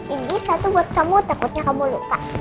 ini satu buat kamu takutnya kamu lupa